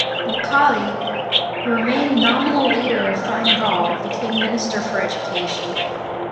Mulcahy, who remained nominal leader of Fine Gael, became Minister for Education.